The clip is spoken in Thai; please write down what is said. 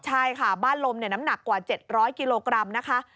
ใช่ค่ะบ้านลมน้ำหนักกว่า๗๐๐กิโลกรัมนะคะ